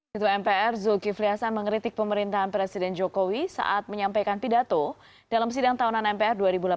ketua mpr zulkifli hasan mengeritik pemerintahan presiden jokowi saat menyampaikan pidato dalam sidang tahunan mpr dua ribu delapan belas